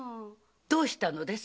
どうしたのです？